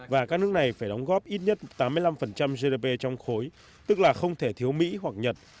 và các nước này phải đóng góp ít nhất tám mươi năm gdp trong khối tức là không thể thiếu mỹ hoặc nhật